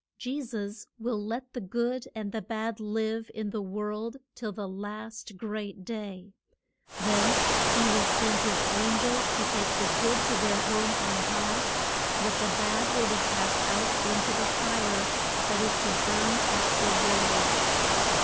Je sus will let the good and the bad live in the world till the last great day. Then he will send his an gels to take the good to their home on high, but the bad will be cast out in to the fire that is to burn up the world.